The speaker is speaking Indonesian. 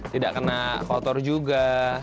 tidak kena kotor juga